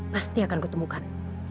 pasti akan kutemukan